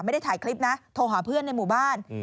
ไม่ได้ถ่ายคลิปนะโทรหาเพื่อนในหมู่บ้าน